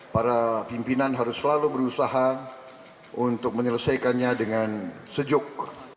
para pimpinan harus selalu berusaha untuk menyelesaikannya dengan sejuk